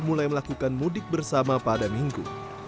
mulai melakukan mudik bersama pada minggu